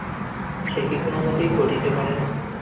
সে কি কোনোমতেই ঘটিতে পারে না।